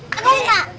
aku main pak